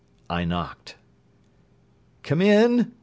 I knocked. "Come in!"